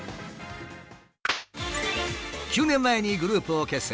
９年前にグループを結成。